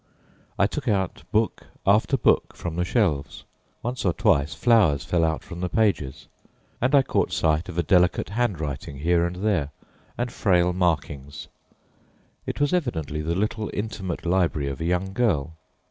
I took out book after book from the shelves, once or twice flowers fell out from the pages and I caught sight of a delicate handwriting here and there and frail markings. It was evidently the little intimate library of a young girl.